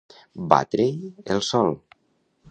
Batre-hi el sol.